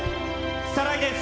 サライです。